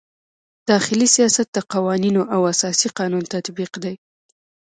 داخلي سیاست د قوانینو او اساسي قانون تطبیق دی.